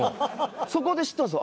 そこで知ったんですよ。